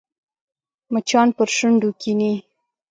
مچان پر شونډو کښېني